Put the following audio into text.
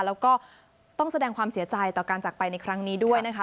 แล้วก็ต้องแสดงความเสียใจต่อการจักรไปในครั้งนี้ด้วยนะคะ